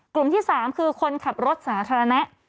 กลุ่มที่๓คือคนขับรถสาธารณะ